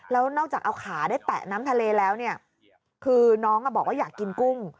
แล้วนอกจากเอาขาได้แตะน้ำทะเลแล้วเนี่ยคือน้องบอกว่าอยากกินกุ้ง